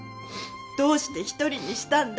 どうして一人にしたんだ！」